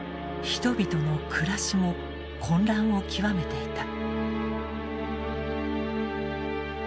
人々の暮らしも混乱を極めていた。